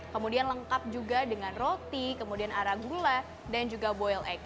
kemudian lengkap juga dengan roti kemudian arah gula dan juga boiled egg